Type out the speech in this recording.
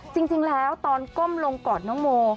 จริงแล้วตอนก้มลงกอดน้องโม